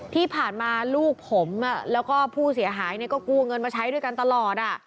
ที่ผ่านมาลูกผมแล้วก็ผู้เสียหายก็กู้เงินมาใช้ด้วยกันตลอด